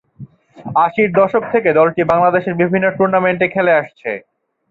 আশির দশক থেকে দলটি বাংলাদেশের বিভিন্ন টুর্নামেন্টে খেলে আসছে।